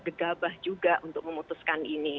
gegabah juga untuk memutuskan ini